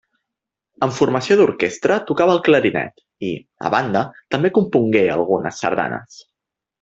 En formació d'orquestra tocava el clarinet i, a banda, també compongué algunes sardanes.